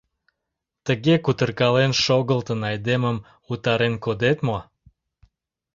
Тыге кутыркален шогылтын, айдемым утарен кодет мо?